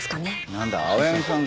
なんだ青柳さんか。